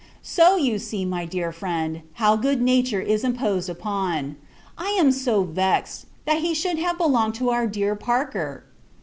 So, you see, my dear friend, how good nature is imposed upon. I am so vexed, that he should have belonged to our dear Parker!